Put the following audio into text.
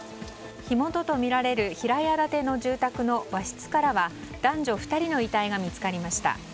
火元とみられる平屋建ての住宅の和室からは男女２人の遺体が見つかりました。